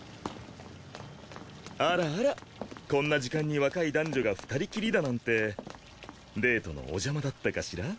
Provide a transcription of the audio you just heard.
あらあらこんな時間に若い男女が２人きりだなんてデートのお邪魔だったかしら？